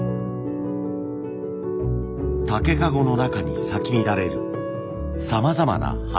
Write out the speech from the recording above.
竹籠の中に咲き乱れるさまざまな花。